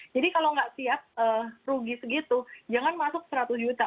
jadi kalau nggak siap rugi segitu jangan masuk seratus juta